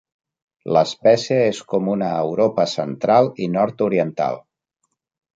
L'espècie és comuna a Europa central i nord-oriental.